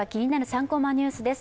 ３コマニュース」です。